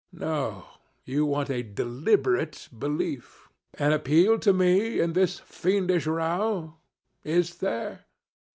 No; you want a deliberate belief. An appeal to me in this fiendish row is there?